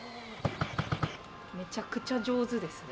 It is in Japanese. めちゃくちゃ上手ですね。